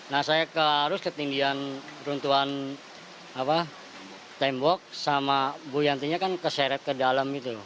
nah saya harus ke tinggi peruntuhan tembok sama bu yantinya kan keseret ke dalam gitu